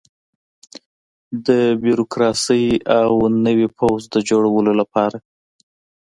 د بیروکراسۍ او نوي پوځ د جوړولو لپاره.